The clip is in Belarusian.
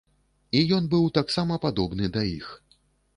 І ён бы таксама быў падобны да іх.